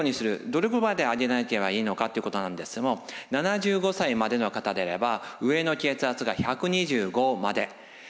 どこまで上げなければいいのかということなんですけども７５歳までの方であれば上の血圧が１２５まで。